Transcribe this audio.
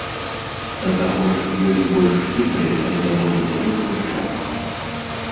Да таго ж, ёсць больш хітры, але даволі звыклы шлях.